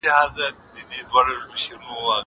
زه اجازه لرم چې کار وکړم!